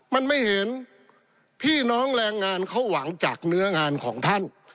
มันไม่เห็นพี่น้องแรงงานเขาหวังจากเนื้องานของท่าน